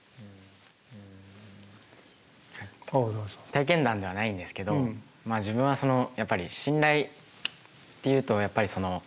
体験談ではないんですけど自分はやっぱり信頼っていうとなるほどね。